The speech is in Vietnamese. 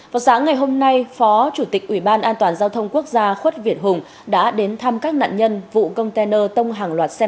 vào sáng ngày hôm nay phó chủ tịch ủy ban an toàn giao thông quốc gia khuất việt hùng đã đến thăm các nạn nhân vụ container tông hàng loạt xe